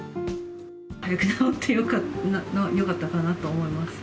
早く直ってよかったかなと思います。